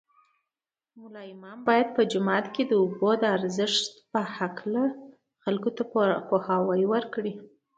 ملان باید په جوماتو کې د اوبو په ارزښت خلکو ته پوهاوی ورکړي